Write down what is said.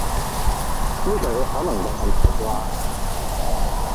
呢句可能有問題啩